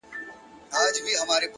وخت د هرې پرېکړې اغېز ساتي